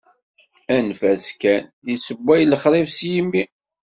Anef-as kan... yessewway lexrif s yimi.